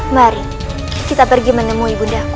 mari kita pergi menemui ibu daku